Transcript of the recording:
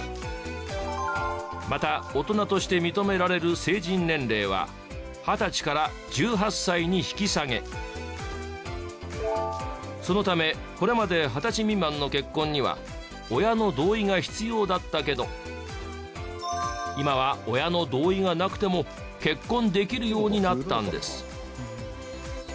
また大人として認められるそのためこれまで二十歳未満の結婚には親の同意が必要だったけど今は親の同意がなくても結婚できるようになったんです。